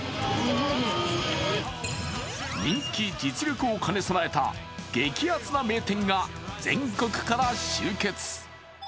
人気、実力を兼ね備えた激アツな名店が全国から集結。